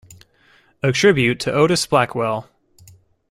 A Tribute to Otis Blackwell.